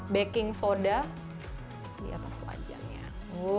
baking soda di atas wajannya jadi kita bisa menggunakan cuka yang terendam di atas wajannya